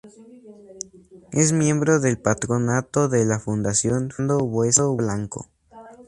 Es miembro del Patronato de la Fundación Fernando Buesa Blanco.